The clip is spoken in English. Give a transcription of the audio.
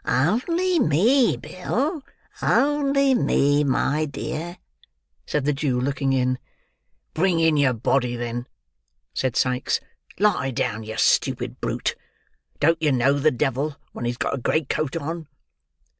"Only me, Bill; only me, my dear," said the Jew looking in. "Bring in your body then," said Sikes. "Lie down, you stupid brute! Don't you know the devil when he's got a great coat on?"